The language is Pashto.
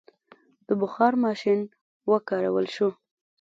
د بخار ماشین وکارول شو.